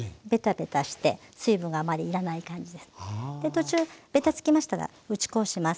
途中べたつきましたら打ち粉をします。